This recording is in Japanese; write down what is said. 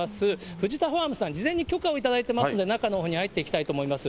フジタファームさん、事前に許可を頂いておりますので、中のほうに入っていきたいと思います。